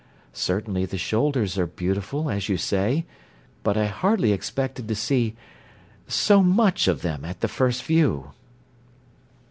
Certainly the shoulders are beautiful, as you say. But I hardly expected to see so much of them at the first view."